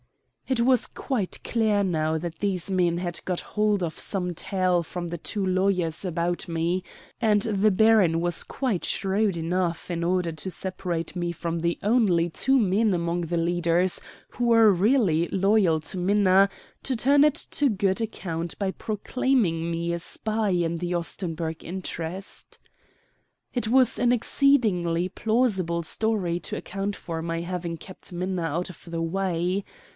It was quite clear now that these men had got hold of some tale from the two lawyers about me, and the baron was quite shrewd enough, in order to separate from me the only two men among the leaders who were really loyal to Minna, to turn it to good account by proclaiming me a spy in the Ostenburg interest. It was an exceedingly plausible story to account for my having kept Minna out of the way.